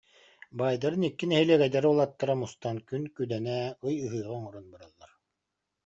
Баайдарын икки нэһилиэк эдэр уолаттара мустан күн күдэнэ, ый ыһыаҕа оҥорон бараллар